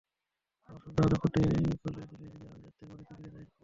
আবার সন্ধ্যা হলে খুঁটি খুলে দিলে নিজেই আজিজারের বাড়িতে ফিরে যায় গাভিটি।